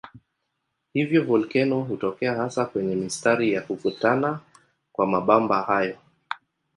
Hivyo volkeno hutokea hasa kwenye mistari ya kukutana kwa mabamba hayo.